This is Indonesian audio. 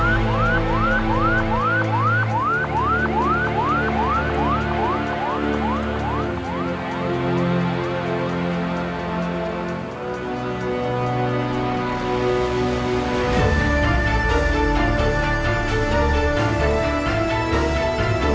yaudah gak apa apa